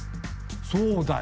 そうだよ。